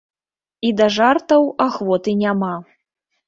І да жартаў ахвоты няма.